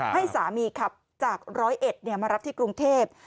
ให้สามีขับจากร้อยเอ็ดมารับที่กรุงเทพ